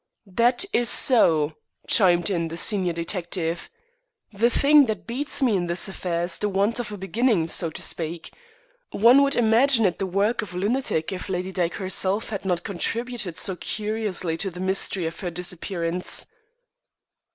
"That is so," chimed in the senior detective. "The thing that beats me in this affair is the want of a beginning, so to speak. One would imagine it the work of a lunatic if Lady Dyke herself had not contributed so curiously to the mystery of her disappearance."